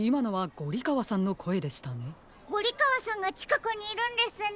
ゴリかわさんがちかくにいるんですね。